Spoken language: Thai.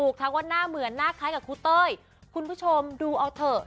คุณคุณผู้ชมดูเอาเถอะ